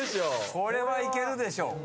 これはいけるでしょ。